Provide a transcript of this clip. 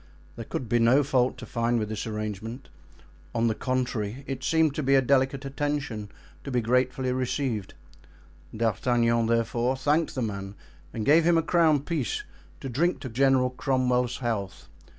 There could be no fault to find with this arrangement; on the contrary, it seemed to be a delicate attention, to be gratefully received; D'Artagnan, therefore, thanked the man and gave him a crown piece to drink to General Cromwell's health.